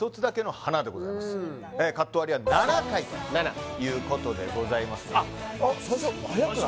カット割りは７回と７？いうことでございますあっ最初早くない？